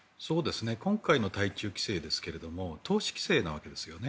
今回の対中規制ですが投資規制なわけですよね。